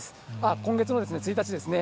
今月の１日ですね。